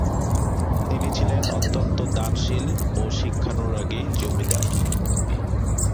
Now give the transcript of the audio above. তিনি ছিলেন অত্যন্ত দানশীল ও শিক্ষানুরাগী জমিদার।